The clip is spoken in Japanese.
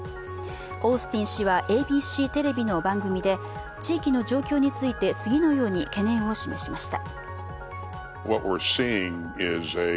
オースティン氏はＡＢＣテレビの番組で地域の状況について次のように懸念を示しました。